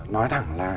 nói thẳng là